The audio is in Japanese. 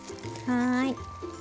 はい。